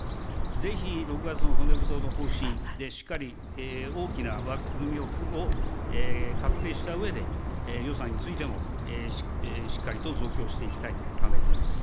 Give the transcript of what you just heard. ぜひ、６月の骨太の方針で、しっかり大きな枠組みを確定したうえで、予算についても、しっかりと増強していきたいと考えています。